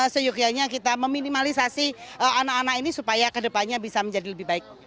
seyukurnya kita meminimalisasi anak anak ini supaya ke depannya bisa menjadi lebih baik